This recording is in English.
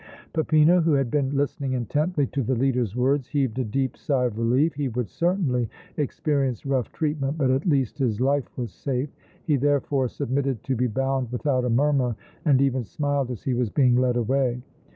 Peppino who had been listening intently to the leader's words heaved a deep sigh of relief. He would certainly experience rough treatment, but at least his life was safe. He, therefore, submitted to be bound without a murmur and even smiled as he was being led away.